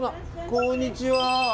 こんにちは。